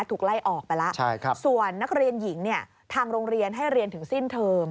ถูกไล่ออกไปแล้วส่วนนักเรียนหญิงเนี่ยทางโรงเรียนให้เรียนถึงสิ้นเทอม